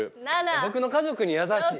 僕の家族に優しい。